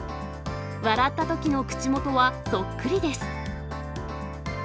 笑ったときの口元はそっくりです。